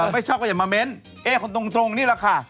ไม่ชอบก็อย่ามาเม้นเอ๊คนตรงนี่แหละค่ะ